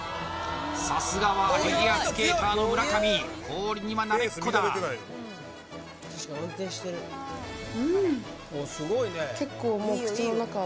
さすがはフィギュアスケーターの村上氷には慣れっこだうん！